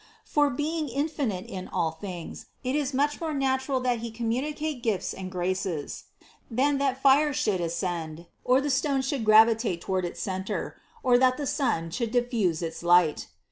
For, being infinite in all things, it is much more natural that He communicate gifts and graces, than that fire should ascend, or the stone should gravitate toward its center, or that the sun should diffuse its light.